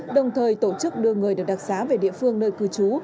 đồng thời tổ chức đưa người được đặc xá về địa phương nơi cư trú